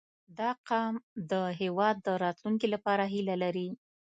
• دا قوم د هېواد د راتلونکي لپاره هیله لري.